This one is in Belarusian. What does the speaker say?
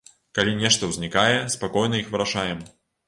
Калі нешта ўзнікае, спакойна іх вырашаем.